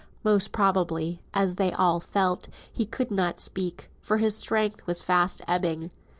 Most probably, as they all felt, he could not speak, for his strength was fast ebbing.